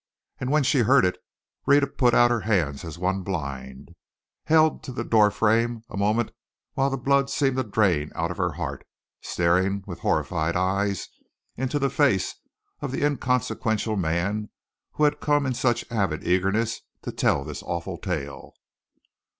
And when she heard it, Rhetta put out her hands as one blind, held to the door frame a moment while the blood seemed to drain out of her heart, staring with horrified eyes into the face of the inconsequential man who had come in such avid eagerness to tell this awful tale.